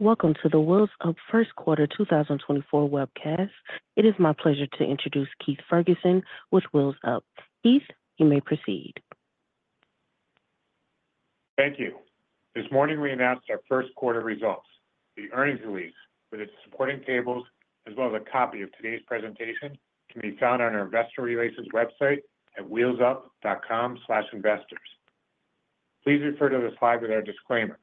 Welcome to the Wheels Up First Quarter 2024 webcast. It is my pleasure to introduce Keith Ferguson with Wheels Up. Keith, you may proceed. Thank you. This morning we announced our first quarter results. The earnings release, with its supporting tables as well as a copy of today's presentation, can be found on our investor relations website at wheelsup.com/investors. Please refer to the slide with our disclaimer.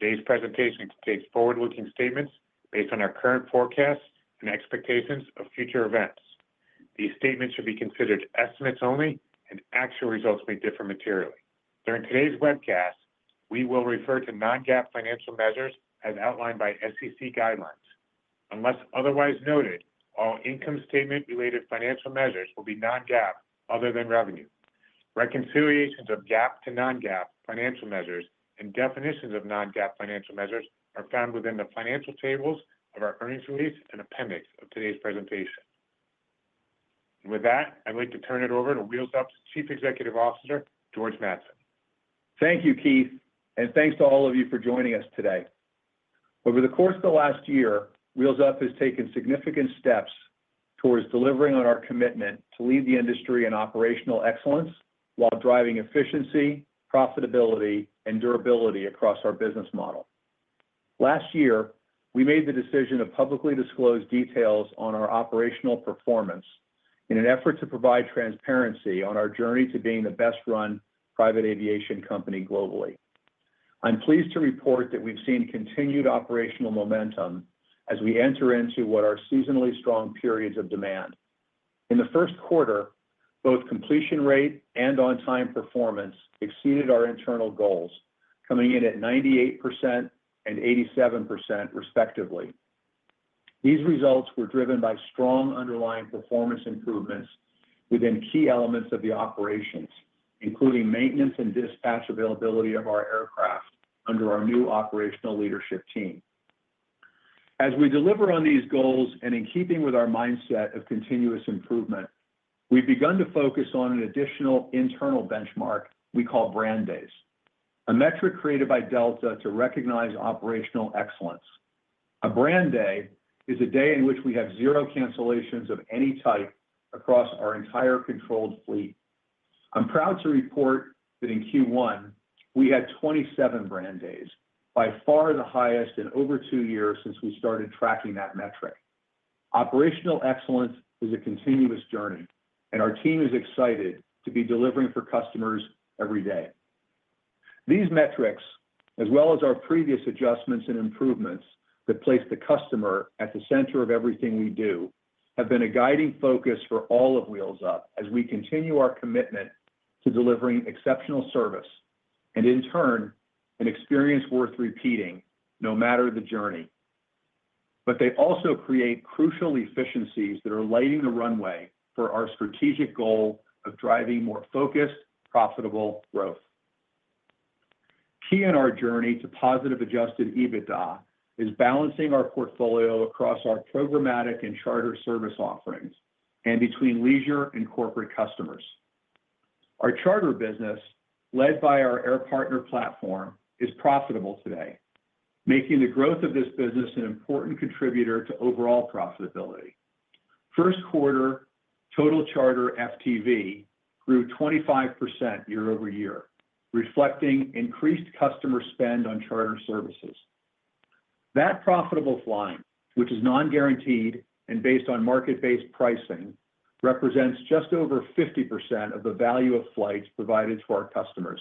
Today's presentation contains forward-looking statements based on our current forecasts and expectations of future events. These statements should be considered estimates only, and actual results may differ materially. During today's webcast, we will refer to non-GAAP financial measures as outlined by SEC guidelines. Unless otherwise noted, all income statement-related financial measures will be non-GAAP other than revenue. Reconciliations of GAAP to non-GAAP financial measures and definitions of non-GAAP financial measures are found within the financial tables of our earnings release and appendix of today's presentation. With that, I'd like to turn it over to Wheels Up's Chief Executive Officer, George Mattson. Thank you, Keith, and thanks to all of you for joining us today. Over the course of the last year, Wheels Up has taken significant steps towards delivering on our commitment to lead the industry in operational excellence while driving efficiency, profitability, and durability across our business model. Last year, we made the decision to publicly disclose details on our operational performance in an effort to provide transparency on our journey to being the best-run private aviation company globally. I'm pleased to report that we've seen continued operational momentum as we enter into what are seasonally strong periods of demand. In the first quarter, both completion rate and on-time performance exceeded our internal goals, coming in at 98% and 87% respectively. These results were driven by strong underlying performance improvements within key elements of the operations, including maintenance and dispatch availability of our aircraft under our new operational leadership team. As we deliver on these goals and in keeping with our mindset of continuous improvement, we've begun to focus on an additional internal benchmark we call Brand Days, a metric created by Delta to recognize operational excellence. A Brand Day is a day in which we have zero cancellations of any type across our entire controlled fleet. I'm proud to report that in Q1 we had 27 Brand Days, by far the highest in over two years since we started tracking that metric. Operational excellence is a continuous journey, and our team is excited to be delivering for customers every day. These metrics, as well as our previous adjustments and improvements that place the customer at the center of everything we do, have been a guiding focus for all of Wheels Up as we continue our commitment to delivering exceptional service and, in turn, an experience worth repeating no matter the journey. But they also create crucial efficiencies that are lighting the runway for our strategic goal of driving more focused, profitable growth. Key in our journey to positive Adjusted EBITDA is balancing our portfolio across our programmatic and charter service offerings and between leisure and corporate customers. Our charter business, led by our Air Partner Platform, is profitable today, making the growth of this business an important contributor to overall profitability. First quarter, total charter FTV grew 25% year-over-year, reflecting increased customer spend on charter services. That profitable flying, which is non-guaranteed and based on market-based pricing, represents just over 50% of the value of flights provided to our customers.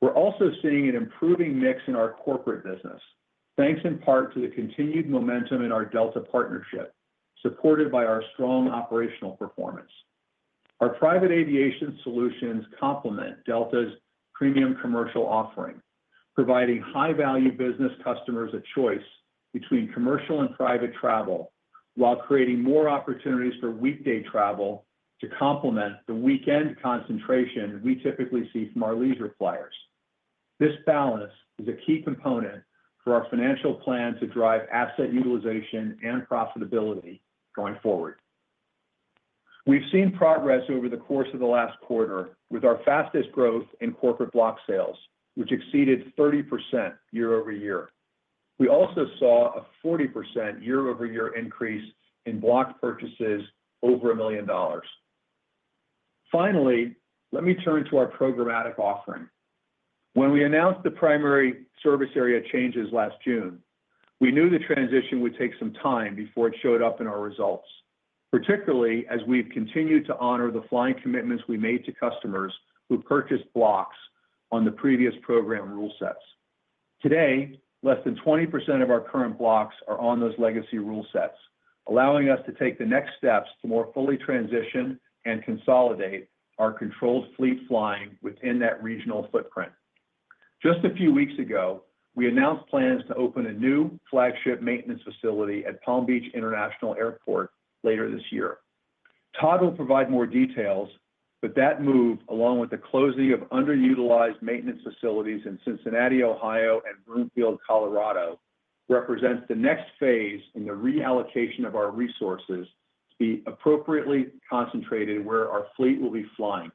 We're also seeing an improving mix in our corporate business, thanks in part to the continued momentum in our Delta partnership, supported by our strong operational performance. Our private aviation solutions complement Delta's premium commercial offering, providing high-value business customers a choice between commercial and private travel while creating more opportunities for weekday travel to complement the weekend concentration we typically see from our leisure flyers. This balance is a key component for our financial plan to drive asset utilization and profitability going forward. We've seen progress over the course of the last quarter with our fastest growth in corporate block sales, which exceeded 30% year-over-year. We also saw a 40% year-over-year increase in block purchases over $1 million. Finally, let me turn to our programmatic offering. When we announced the primary service area changes last June, we knew the transition would take some time before it showed up in our results, particularly as we've continued to honor the flying commitments we made to customers who purchased blocks on the previous program rule sets. Today, less than 20% of our current blocks are on those legacy rule sets, allowing us to take the next steps to more fully transition and consolidate our controlled fleet flying within that regional footprint. Just a few weeks ago, we announced plans to open a new flagship maintenance facility at Palm Beach International Airport later this year. Todd will provide more details, but that move, along with the closing of underutilized maintenance facilities in Cincinnati, Ohio, and Broomfield, Colorado, represents the next phase in the reallocation of our resources to be appropriately concentrated where our fleet will be flying.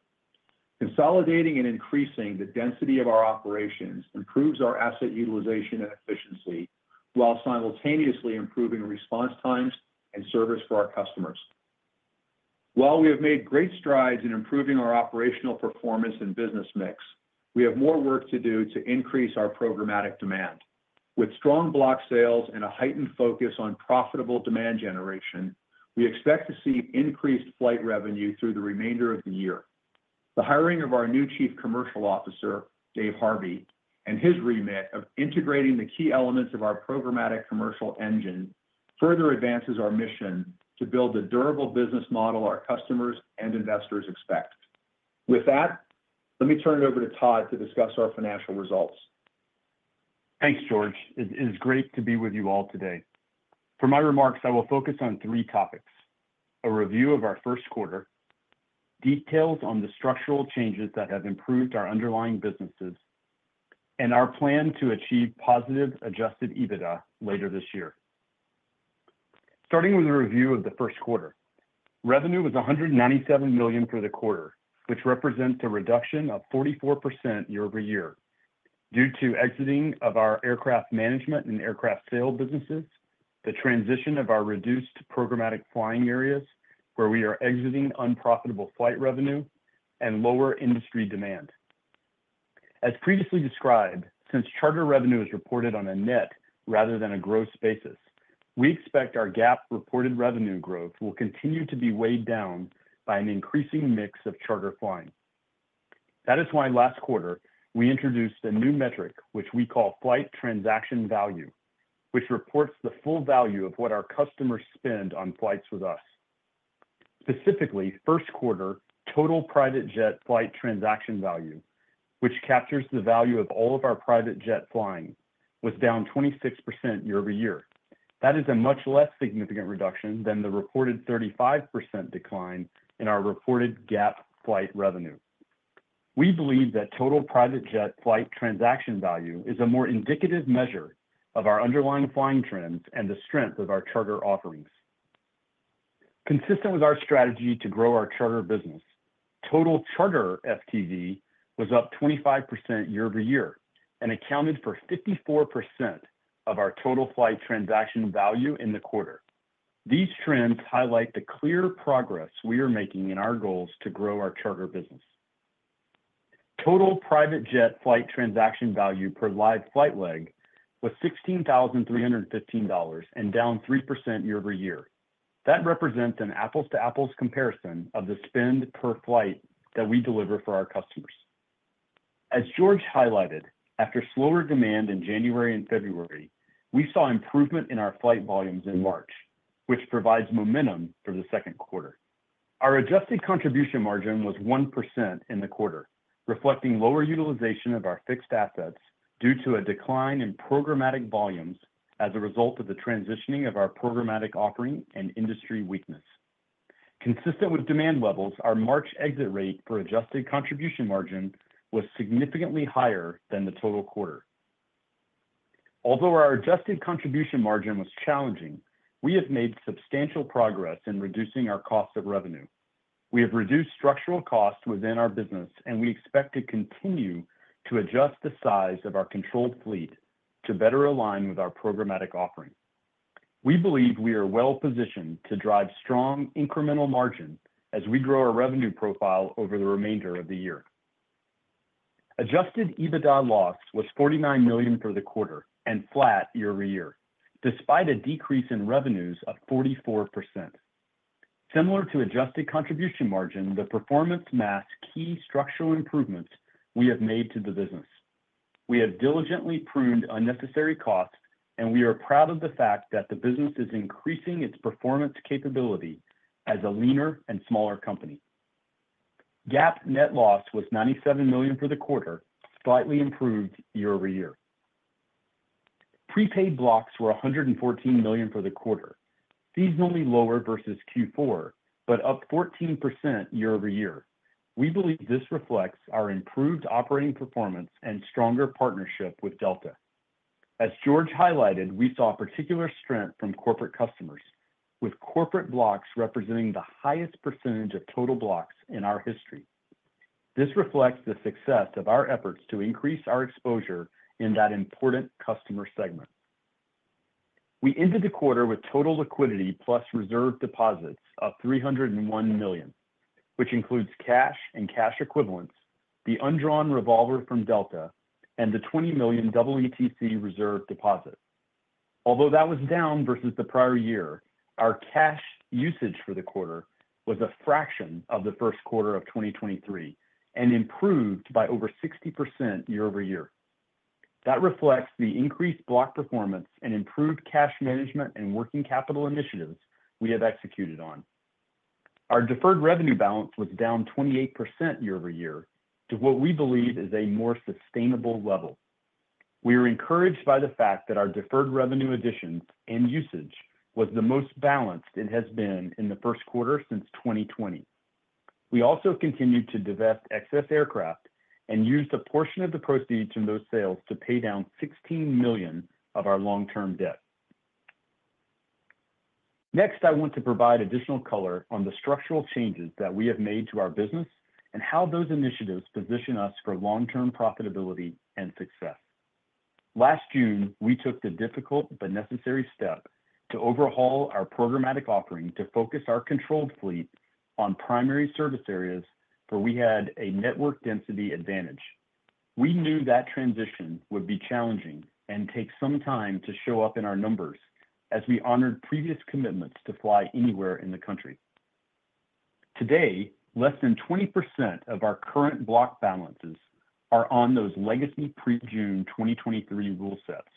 Consolidating and increasing the density of our operations improves our asset utilization and efficiency while simultaneously improving response times and service for our customers. While we have made great strides in improving our operational performance and business mix, we have more work to do to increase our programmatic demand. With strong block sales and a heightened focus on profitable demand generation, we expect to see increased flight revenue through the remainder of the year. The hiring of our new Chief Commercial Officer, Dave Harvey, and his remit of integrating the key elements of our programmatic commercial engine further advances our mission to build the durable business model our customers and investors expect. With that, let me turn it over to Todd to discuss our financial results. Thanks, George. It is great to be with you all today. For my remarks, I will focus on three topics: a review of our first quarter, details on the structural changes that have improved our underlying businesses, and our plan to achieve positive Adjusted EBITDA later this year. Starting with a review of the first quarter, revenue was $197 million for the quarter, which represents a reduction of 44% year-over-year. Due to exiting of our aircraft management and aircraft sale businesses, the transition of our reduced programmatic flying areas where we are exiting unprofitable flight revenue and lower industry demand. As previously described, since charter revenue is reported on a net rather than a gross basis, we expect our GAAP reported revenue growth will continue to be weighed down by an increasing mix of charter flying. That is why last quarter we introduced a new metric, which we call flight transaction value, which reports the full value of what our customers spend on flights with us. Specifically, first quarter total private jet flight transaction value, which captures the value of all of our private jet flying, was down 26% year-over-year. That is a much less significant reduction than the reported 35% decline in our reported GAAP flight revenue. We believe that total private jet flight transaction value is a more indicative measure of our underlying flying trends and the strength of our charter offerings. Consistent with our strategy to grow our charter business, total charter FTV was up 25% year-over-year and accounted for 54% of our total flight transaction value in the quarter. These trends highlight the clear progress we are making in our goals to grow our charter business. Total private jet flight transaction value per live flight leg was $16,315 and down 3% year-over-year. That represents an apples-to-apples comparison of the spend per flight that we deliver for our customers. As George highlighted, after slower demand in January and February, we saw improvement in our flight volumes in March, which provides momentum for the second quarter. Our adjusted contribution margin was 1% in the quarter, reflecting lower utilization of our fixed assets due to a decline in programmatic volumes as a result of the transitioning of our programmatic offering and industry weakness. Consistent with demand levels, our March exit rate for adjusted contribution margin was significantly higher than the total quarter. Although our adjusted contribution margin was challenging, we have made substantial progress in reducing our cost of revenue. We have reduced structural costs within our business, and we expect to continue to adjust the size of our controlled fleet to better align with our programmatic offering. We believe we are well positioned to drive strong incremental margin as we grow our revenue profile over the remainder of the year. Adjusted EBITDA loss was $49 million for the quarter and flat year over year, despite a decrease in revenues of 44%. Similar to adjusted contribution margin, the performance masks key structural improvements we have made to the business. We have diligently pruned unnecessary costs, and we are proud of the fact that the business is increasing its performance capability as a leaner and smaller company. GAAP net loss was $97 million for the quarter, slightly improved year over year. Prepaid blocks were $114 million for the quarter, seasonally lower versus Q4, but up 14% year over year. We believe this reflects our improved operating performance and stronger partnership with Delta. As George highlighted, we saw particular strength from corporate customers, with corporate blocks representing the highest percentage of total blocks in our history. This reflects the success of our efforts to increase our exposure in that important customer segment. We ended the quarter with total liquidity plus reserve deposits of $301 million, which includes cash and cash equivalents, the undrawn revolver from Delta, and the $20 million EETC reserve deposit. Although that was down versus the prior year, our cash usage for the quarter was a fraction of the first quarter of 2023 and improved by over 60% year-over-year. That reflects the increased block performance and improved cash management and working capital initiatives we have executed on. Our deferred revenue balance was down 28% year-over-year to what we believe is a more sustainable level. We are encouraged by the fact that our deferred revenue additions and usage was the most balanced it has been in the first quarter since 2020. We also continued to divest excess aircraft and used a portion of the proceeds from those sales to pay down $16 million of our long-term debt. Next, I want to provide additional color on the structural changes that we have made to our business and how those initiatives position us for long-term profitability and success. Last June, we took the difficult but necessary step to overhaul our programmatic offering to focus our controlled fleet on primary service areas where we had a network density advantage. We knew that transition would be challenging and take some time to show up in our numbers as we honored previous commitments to fly anywhere in the country. Today, less than 20% of our current block balances are on those legacy pre-June 2023 rule sets,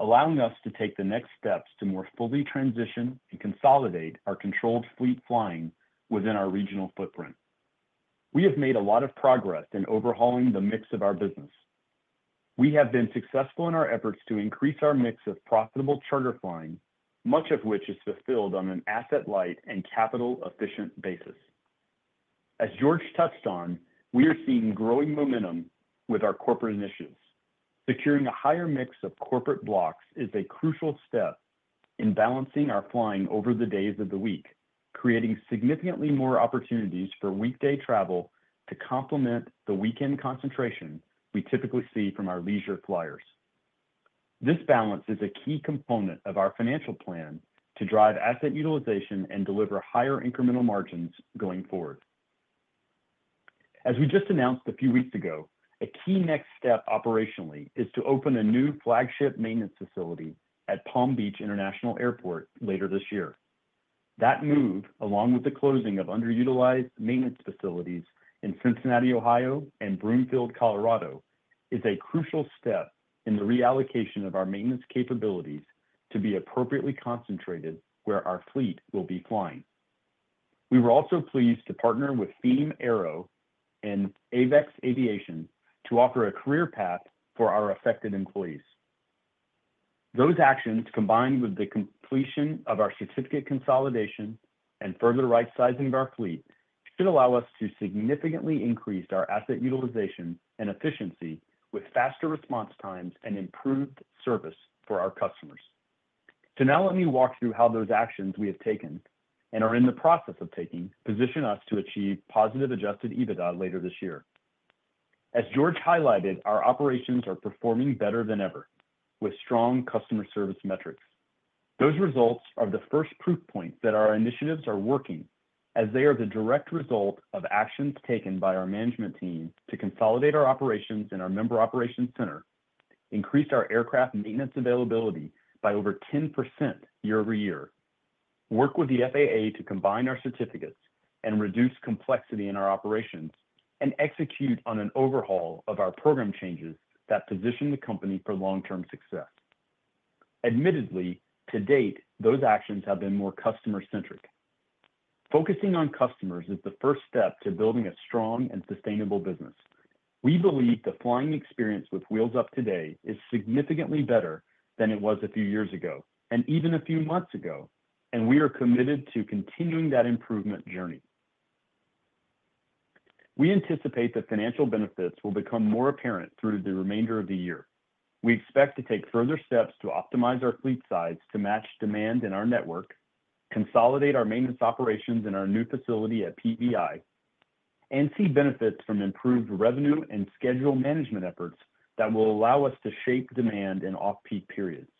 allowing us to take the next steps to more fully transition and consolidate our controlled fleet flying within our regional footprint. We have made a lot of progress in overhauling the mix of our business. We have been successful in our efforts to increase our mix of profitable charter flying, much of which is fulfilled on an asset-light and capital-efficient basis. As George touched on, we are seeing growing momentum with our corporate initiatives. Securing a higher mix of corporate blocks is a crucial step in balancing our flying over the days of the week, creating significantly more opportunities for weekday travel to complement the weekend concentration we typically see from our leisure flyers. This balance is a key component of our financial plan to drive asset utilization and deliver higher incremental margins going forward. As we just announced a few weeks ago, a key next step operationally is to open a new flagship maintenance facility at Palm Beach International Airport later this year. That move, along with the closing of underutilized maintenance facilities in Cincinnati, Ohio, and Broomfield, Colorado, is a crucial step in the reallocation of our maintenance capabilities to be appropriately concentrated where our fleet will be flying. We were also pleased to partner with FEAM Aero and AVEX Aviation to offer a career path for our affected employees. Those actions, combined with the completion of our certificate consolidation and further right-sizing of our fleet, should allow us to significantly increase our asset utilization and efficiency with faster response times and improved service for our customers. So now let me walk through how those actions we have taken and are in the process of taking position us to achieve positive Adjusted EBITDA later this year. As George highlighted, our operations are performing better than ever with strong customer service metrics. Those results are the first proof point that our initiatives are working as they are the direct result of actions taken by our management team to consolidate our operations in our member operations center, increase our aircraft maintenance availability by over 10% year-over-year, work with the FAA to combine our certificates and reduce complexity in our operations, and execute on an overhaul of our program changes that position the company for long-term success. Admittedly, to date, those actions have been more customer-centric. Focusing on customers is the first step to building a strong and sustainable business. We believe the flying experience with Wheels Up today is significantly better than it was a few years ago and even a few months ago, and we are committed to continuing that improvement journey. We anticipate the financial benefits will become more apparent through the remainder of the year. We expect to take further steps to optimize our fleet size to match demand in our network, consolidate our maintenance operations in our new facility at PBI, and see benefits from improved revenue and schedule management efforts that will allow us to shape demand in off-peak periods.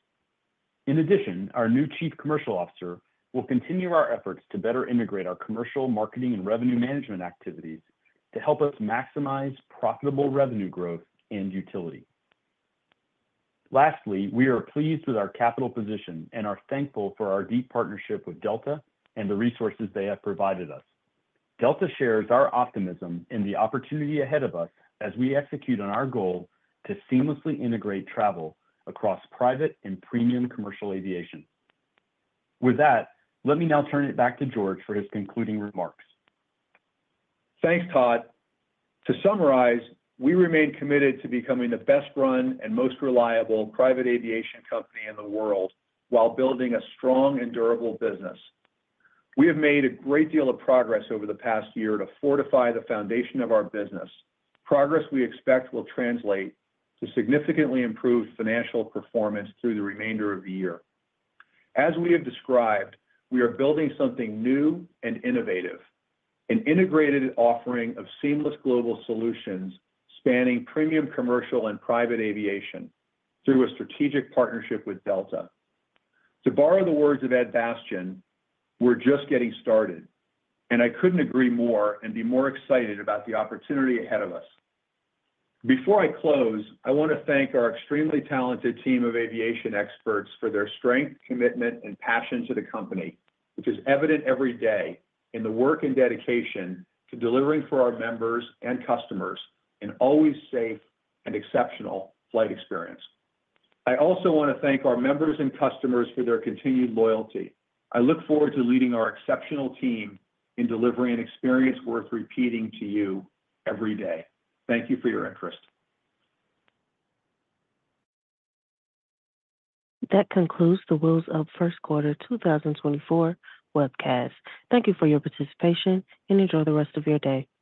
In addition, our new Chief Commercial Officer will continue our efforts to better integrate our commercial, marketing, and revenue management activities to help us maximize profitable revenue growth and utility. Lastly, we are pleased with our capital position and are thankful for our deep partnership with Delta and the resources they have provided us. Delta shares our optimism in the opportunity ahead of us as we execute on our goal to seamlessly integrate travel across private and premium commercial aviation. With that, let me now turn it back to George for his concluding remarks. Thanks, Todd. To summarize, we remain committed to becoming the best-run and most reliable private aviation company in the world while building a strong and durable business. We have made a great deal of progress over the past year to fortify the foundation of our business, progress we expect will translate to significantly improved financial performance through the remainder of the year. As we have described, we are building something new and innovative, an integrated offering of seamless global solutions spanning premium commercial and private aviation through a strategic partnership with Delta. To borrow the words of Ed Bastian, "We're just getting started," and I couldn't agree more and be more excited about the opportunity ahead of us. Before I close, I want to thank our extremely talented team of aviation experts for their strength, commitment, and passion to the company, which is evident every day in the work and dedication to delivering for our members and customers an always safe and exceptional flight experience. I also want to thank our members and customers for their continued loyalty. I look forward to leading our exceptional team in delivering an experience worth repeating to you every day. Thank you for your interest. That concludes the Wheels Up First Quarter 2024 Webcast. Thank you for your participation, and enjoy the rest of your day.